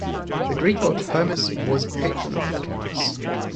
The Greek god Hermes was patron of eloquence.